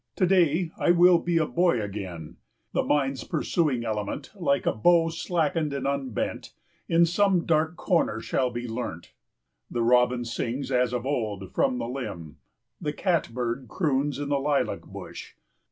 To day I will be a boy again; 20 The mind's pursuing element, Like a bow slackened and unbent, In some dark corner shall be leant. The robin sings, as of old, from the limb! The catbird croons in the lilac bush!